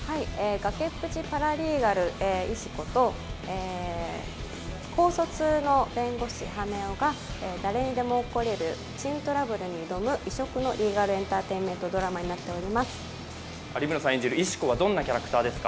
崖っぷちパラリーガル・石子と高卒の弁護士・羽男が誰にでも起こりうる珍トラブルに挑む異色のリーガル・エンターテインメントになっています。